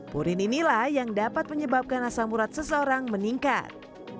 purin inilah yang dapat menyebabkan asam urat seseorang meningkat